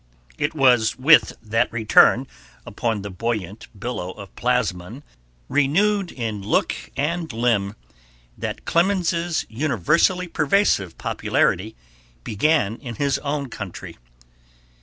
It was with that return upon the buoyant billow of plasmon, renewed in look and limb, that Clemens's universally pervasive popularity began in his own country.